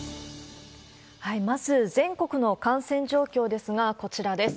まず、全国の感染状況ですが、こちらです。